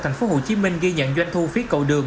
thành phố hồ chí minh ghi nhận doanh thu phí cầu đường